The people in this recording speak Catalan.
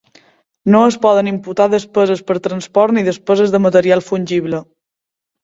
No es poden imputar despeses per transport ni despeses de material fungible.